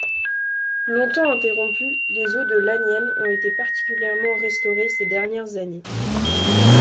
Longtemps interrompues, les eaux de l'Aniene ont été partiellement restaurées ces dernières années.